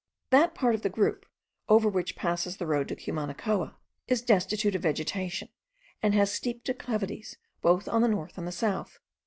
That part of the group, over which passes the road to Cumanacoa, is destitute of vegetation, and has steep declivities both on the north and the south.